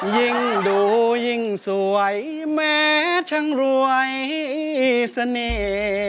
ยิ่งดูยิ่งสวยแม้ช่างรวยเสน่ห์